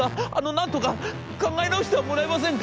なんとか考え直してはもらえませんか！』。